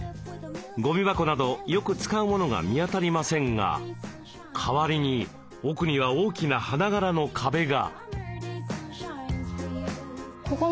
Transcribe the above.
ゴミ箱などよく使うモノが見当たりませんが代わりに奥には大きな花柄の壁が。